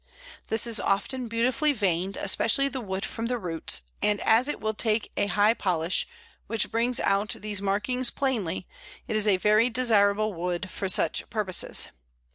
This is often beautifully veined, especially the wood from the roots, and as it will take a high polish, which brings out these markings plainly, it is a very desirable wood for such purposes.